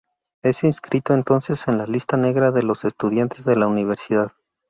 Es inscrito entonces en la lista negra de los estudiantes de la Universidad.